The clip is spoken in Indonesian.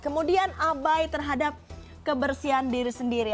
kemudian abai terhadap kebersihan diri sendiri